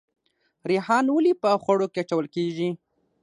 ریحان ولې په خوړو کې اچول کیږي؟